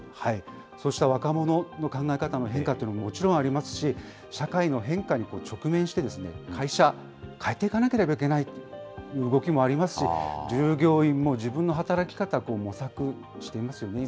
そうした若者の考え方の変化というのももちろんありますし、社会の変化に直面して、会社、変えていかなければいけないという動きもありますし、従業員も自分の働き方を模索していますよね。